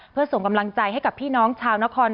เพื่อส่งกำลังใจให้กับพี่น้องชาวนคร